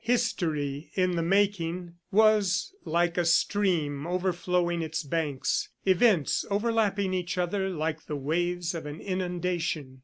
History in the making was like a stream overflowing its banks, events overlapping each other like the waves of an inundation.